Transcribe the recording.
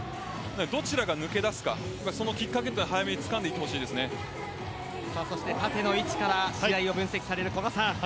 どちらが抜け出すかそのきっかけを早めにつかんでいってほし縦の位置から試合を分析される古賀さん。